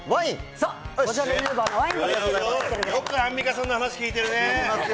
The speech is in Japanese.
そう、よくアンミカさんの話聞いてるね。